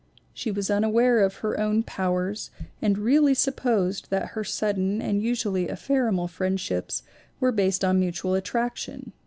... She was un aware of her own powers, and really supposed that her sudden and usually ephemeral friendships were based on mutual attraction.